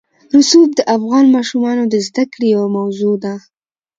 رسوب د افغان ماشومانو د زده کړې یوه موضوع ده.